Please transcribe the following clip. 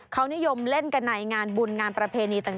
เขานิยมเล่นกันในงานบุญงานประเพณีต่าง